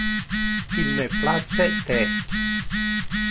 Il me place the.